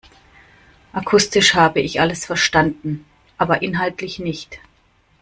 Akustisch habe ich alles verstanden, aber inhaltlich nicht.